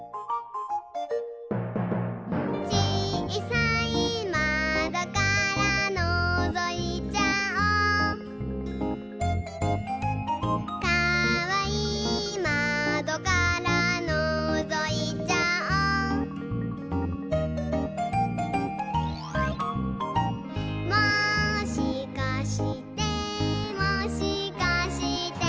「ちいさいまどからのぞいちゃおう」「かわいいまどからのぞいちゃおう」「もしかしてもしかして」